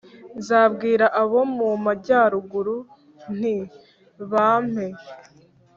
Nzabwira abo mu majyaruguru nti ’Bampe’,